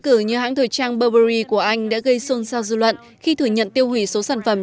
cử như hãng thời trang burberry của anh đã gây xôn xao dư luận khi thừa nhận tiêu hủy số sản phẩm